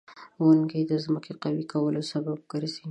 • ونه د ځمکې قوي کولو سبب ګرځي.